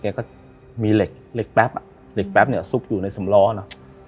ก็มีเหล็กแป๊บอ่ะเหล็กแป๊บเนี่ยซุกอยู่ในสำล้อเนอะ